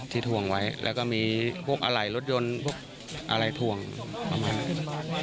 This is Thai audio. ที่ถ่วงไว้แล้วก็มีพวกอะไหล่รถยนต์พวกอะไหล่ถ่วงประมาณนี้